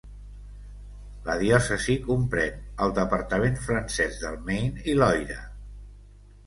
La diòcesi comprèn el departament francès del Maine i Loira.